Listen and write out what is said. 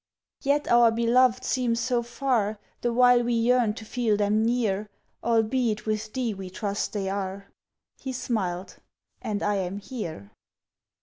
"Yet our beloved seem so far, The while we yearn to feel them near, Albeit with Thee we trust they are." He smiled: "And I am here!"